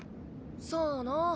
さあな。